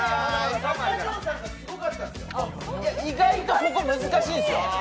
意外と、ここ難しいんですよ